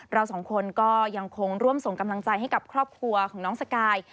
เราสองคนก็ยังคงร่วมส่งกำลังใจให้กับครอบครัวของน้องสกาย